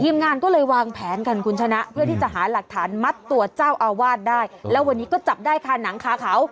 งานก็เลยวางแผนกันคุณชนะเพื่อที่จะหาหลักฐานมัดตัวเจ้าอาวาสได้แล้ววันนี้ก็จับได้ค่ะหนังคาเขา